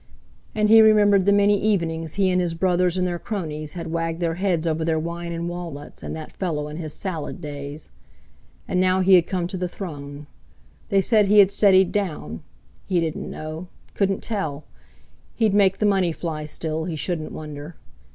And he remembered the many evenings he and his brothers and their cronies had wagged their heads over their wine and walnuts and that fellow in his salad days. And now he had come to the throne. They said he had steadied down—he didn't know—couldn't tell! He'd make the money fly still, he shouldn't wonder.